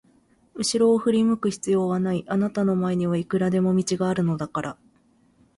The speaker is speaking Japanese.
うしろを振り向く必要はない、あなたの前にはいくらでも道があるのだから。